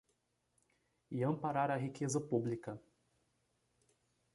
E amparar a riqueza pública.